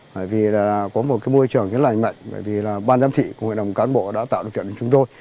bởi vì có một môi trường rất là mạnh bởi vì ban giám thị của hội đồng cán bộ đã tạo được kiện cho chúng tôi